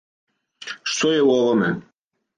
Што је у овоме?